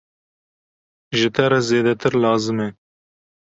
Ji te re zêdetir lazim e!